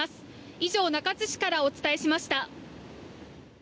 以上、中津市からお伝えしました。